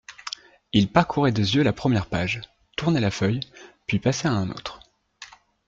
Il parcourait des yeux la première page, tournait la feuille, puis passait à un autre.